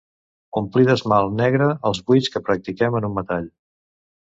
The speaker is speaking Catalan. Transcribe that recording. Omplir d'esmalt negre els buits que practiquem en un metall.